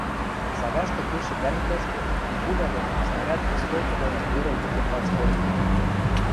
Сагашты кешӹ тӓнгвлӓштӹ, пуля доно, снаряд осколкы доно йӧрӹлт-кенвац кодыт гӹнят